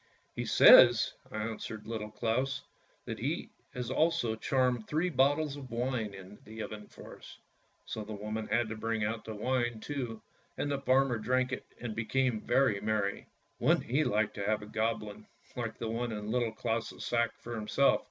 " He says," answered Little Claus, " that he has also charmed three bottles of wine into the oven for us." So the woman had to bring out the wine too, and the farmer drank it and became very merry. Wouldn't he like to have a Goblin, like the one in Little Claus' sack, for himself?